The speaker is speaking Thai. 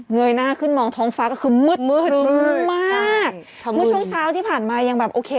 เงยหน้าขึ้นมองท้องฟ้าก็คือมืดครึ่มมากมืดช้าวที่ผ่านมายังแบบโอเค